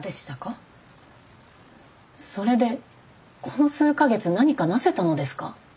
それでこの数か月何か成せたのですか？